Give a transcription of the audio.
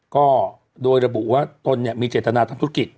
ก็โดยระบุว่าตนเนี่ยมีเจตนาทำธุรกิจ